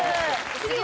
次は？